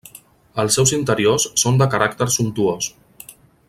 Els seus interiors són de caràcter sumptuós.